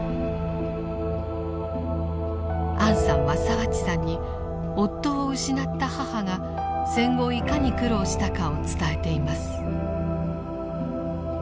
アンさんは澤地さんに夫を失った母が戦後いかに苦労したかを伝えています。